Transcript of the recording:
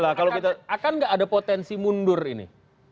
akan nggak ada potensi mundur ini